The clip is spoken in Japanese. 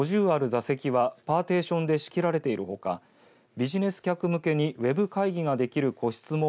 座席はパーテーションで仕切られているほかビジネス客向けにウェブ会議ができる個室も